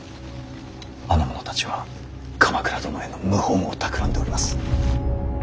あの者たちは鎌倉殿への謀反をたくらんでおります。